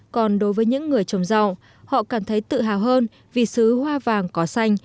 còn đối với những người trồng rau họ cảm thấy tự hào hơn vì xứ hoa vàng có xanh